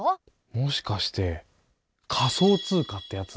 もしかして仮想通貨ってやつ？